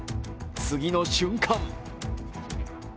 次の瞬間